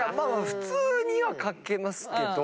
普通には描けますけど。